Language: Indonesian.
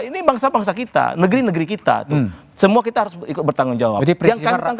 ini bangsa bangsa kita negeri negeri kita tuh semua kita harus ikut bertanggung jawab